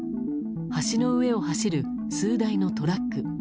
橋の上を走る数台のトラック。